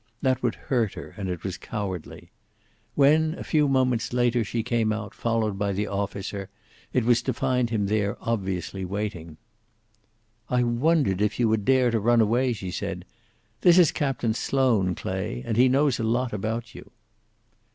That would hurt her, and it was cowardly. When, a few moments later, she came out, followed by the officer, it was to find him there, obviously waiting. "I wondered if you would dare to run away!" she said. "This is Captain Sloane, Clay, and he knows a lot about you."